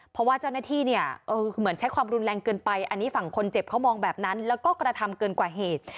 เพราะว่าเจ้าหน้าที่เนี่ยเหมือนใช้ความรุนแรงเกินไปอันนี้ฝั่งคนเจ็บเขามองแบบนั้นแล้วก็กระทำเกินกว่าเหตุ